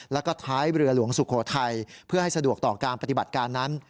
แล้วก็ท้ายเรือหลวงสุโขทัยเพื่อให้สะดวกต่อการปฏิบัติการนั้น